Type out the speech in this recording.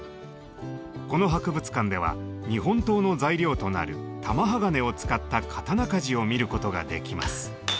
この博物館では日本刀の材料となる「玉鋼」を使った刀鍛冶を見ることができます。